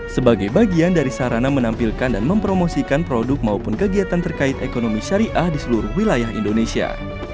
sebagai bagian dari sarana menampilkan dan mempromosikan produk maupun kegiatan terkait ekonomi syariah di seluruh wilayah indonesia